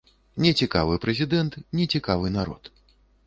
Нецікавы прэзідэнт, нецікавы народ.